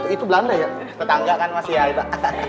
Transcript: itu belanda ya tetangga kan masih ya